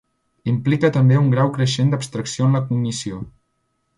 Implica també un grau creixent d'abstracció en la cognició.